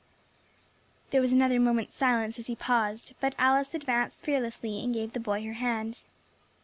There was a moment's silence as he paused, but Alice advanced fearlessly and gave the boy her hand.